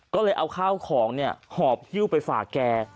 ก็เลยเอาข้าวของหอบหิ้วไปฝากแก